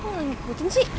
kok lagi kebutin sih